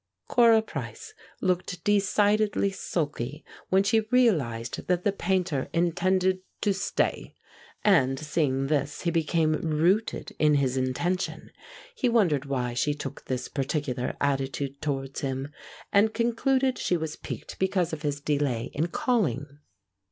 Cora Price looked decidedly sulky when she realized that the Painter intended to stay, and seeing this he became rooted in his intention. He wondered why she took this particular attitude towards him, and concluded she was piqued because of his delay in calling.